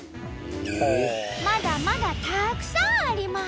まだまだたくさんあります！